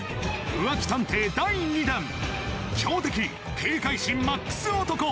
浮気探偵第２弾強敵警戒心マックス男